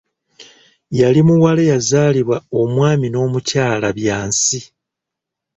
Yali muwala eyazaalibwa omwami n'omukyala Byansi.